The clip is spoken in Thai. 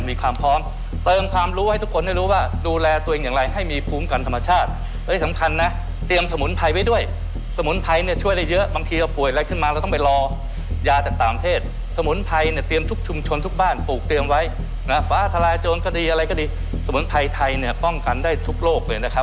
มีความพร้อมเติมความรู้ให้ทุกคนได้รู้ว่าดูแลตัวเองอย่างไรให้มีภูมิกันธรรมชาติและที่สำคัญนะเตรียมสมุนไพรไว้ด้วยสมุนไพรเนี่ยช่วยได้เยอะบางทีเราป่วยอะไรขึ้นมาเราต้องไปรอยาจากต่างประเทศสมุนไพรเนี่ยเตรียมทุกชุมชนทุกบ้านปลูกเตรียมไว้นะฟ้าทลายโจรก็ดีอะไรก็ดีสมุนไพรไทยเนี่ยป้องกันได้ทุกโลกเลยนะครับ